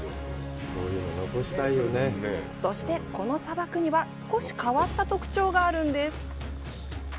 そして、この砂漠には少し変わった特徴があるんです。